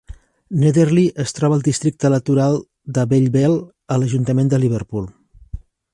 Netherley es troba al districte electoral de Belle Vale a l'Ajuntament de Liverpool.